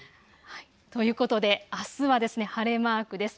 ということで、あすは晴れマークです。